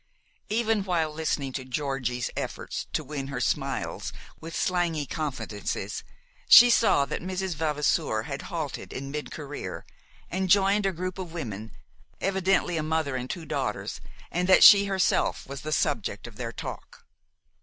Even while listening to "Georgie's" efforts to win her smiles with slangy confidences, she saw that Mrs. Vavasour had halted in mid career, and joined a group of women, evidently a mother and two daughters, and that she herself was the subject of their talk.